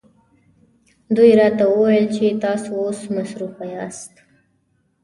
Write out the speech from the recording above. دوی راته وویل چې تاسو اوس مصروفه یاست.